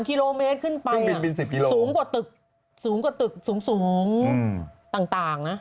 ๓กิโลเมตรขึ้นไปสูงกว่าตึกสูงต่างนะ